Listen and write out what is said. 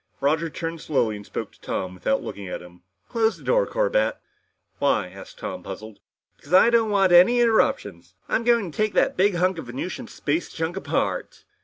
Roger turned slowly and spoke to Tom without looking at him. "Close the door, Corbett!" "Why?" asked Tom, puzzled. "Because I don't want any interruptions. I'm going to take that big hunk of Venusian space junk apart."